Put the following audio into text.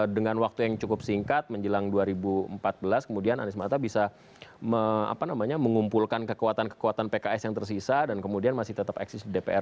dengan waktu yang cukup singkat menjelang dua ribu empat belas kemudian anies mata bisa mengumpulkan kekuatan kekuatan pks yang tersisa dan kemudian masih tetap eksis di dpr